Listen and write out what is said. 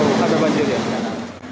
bukan banjir ya